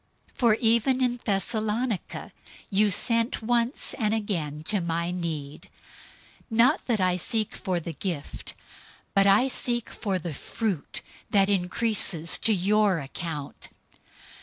004:016 For even in Thessalonica you sent once and again to my need. 004:017 Not that I seek for the gift, but I seek for the fruit that increases to your account.